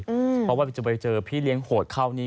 เพราะว่าไปที่จะมาเจอพี่เลี้ยงโหดเข้านี่